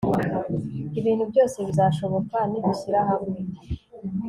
ibintu byose bizashoboka nidushyira hamwe